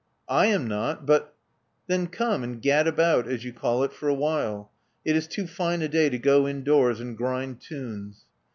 /am not; but " Then come and gad about, as you call it, for a while. It is too fine a day to go indoors and grind tunes."